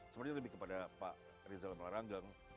sebenarnya lebih kepada pak rizal malaranggang